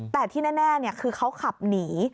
แต่ที่แน่คือเขาขับหนี